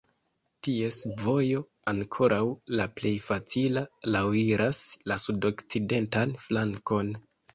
Ties vojo, ankoraŭ la plej facila, laŭiras la sudokcidentan flankon.